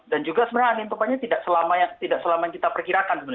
dan juga sebenarnya angin topangnya tidak selama yang kita perkirakan